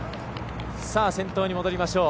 先頭に戻りましょう。